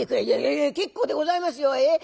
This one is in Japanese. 「いやいや結構でございますよ。